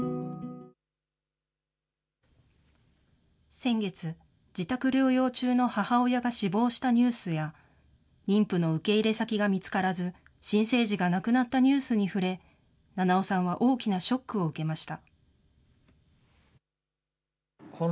先月、自宅療養中の母親が死亡したニュースや、妊婦の受け入れ先が見つからず、新生児が亡くなったニュースに触れ、七尾さんは大きなショックを受けました。